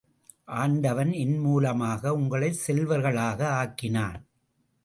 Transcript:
ஆண்டவன் என் மூலமாக, உங்களைச் செல்வர்களாக ஆக்கினான்.